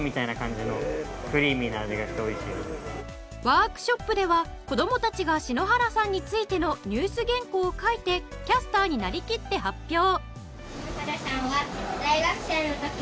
ワークショップでは子供たちが篠原さんについてのニュース原稿を書いてキャスターになりきって発表。